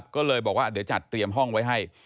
ก็เลยบอกว่าเดี๋ยวจัดเตรียมห้องไว้ให้